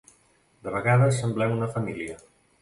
De vegades semblem una família.